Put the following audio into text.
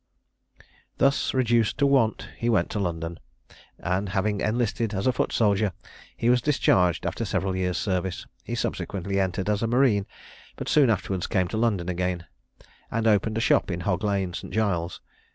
Thus reduced to want, he went to London, and having enlisted as a foot soldier, he was discharged after several years' service. He subsequently entered as a marine, but soon afterwards came to London again, and opened a shop in Hog lane, St. Giles's.